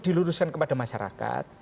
diluruskan kepada masyarakat